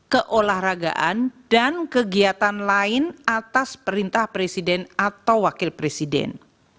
keolahragaan dan kegiatan lain atas perintah presiden atau wakil presiden